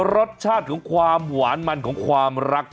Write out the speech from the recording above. รสชาติของความหวานมันของความรัก